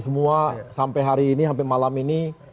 semua sampai hari ini sampai malam ini